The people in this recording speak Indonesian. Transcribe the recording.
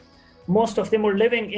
kebanyakan orang hidup di kota kota ini